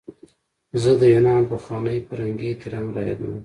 زه د یونان پخوانی فرهنګي احترام رایادوم.